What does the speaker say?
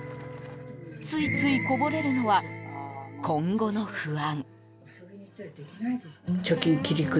ついついこぼれるのは今後の不安。